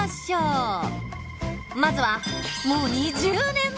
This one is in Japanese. まずはもう２０年前！